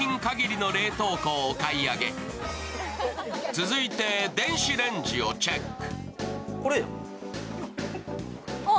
続いて電子レンジをチェック。